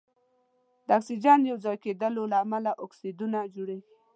د اکسیجن یو ځای کیدلو له امله اکسایدونه جوړیږي.